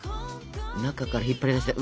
中から引っ張り出して。